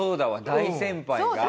大先輩が。